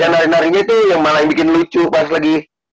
yang nari narinya tuh yang malah yang bikin lucu pas lagi